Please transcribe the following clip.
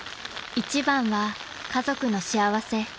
［一番は家族の幸せ］